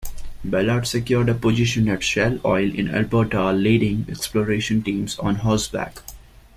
Ballard secured a position at Shell Oil in Alberta, leading exploration teams on horseback.